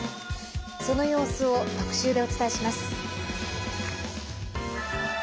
その様子を特集でお伝えします。